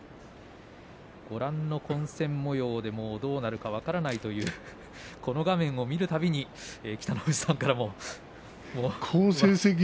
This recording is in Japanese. ご覧の混戦もようでどうなるか分からないというこの画面を見るたびに北の富士さんからも。